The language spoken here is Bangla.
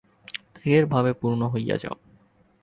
ত্যাগের ভাবে পূর্ণ হইয়া যাও।